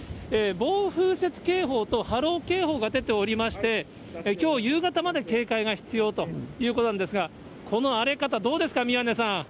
暴風雪警報と波浪警報が出ておりまして、きょう夕方まで警戒が必要ということなんですが、この荒れ方、どうですか、宮根さん。